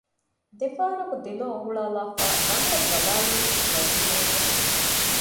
ދެފަހަރަކު ދެލޯ އުނގުޅާލާފައި ރަނގަޅަށް ބަލައިލީވެސް ޔަޤީންނުވެގެން